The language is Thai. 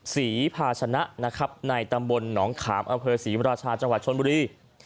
ศรีภาชนะนะครับในตำบลหนองขามอำเภอศรีมราชาจังหวัดชนบุรี